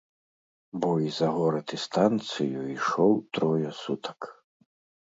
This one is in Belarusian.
Бой за горад і станцыю ішоў трое сутак.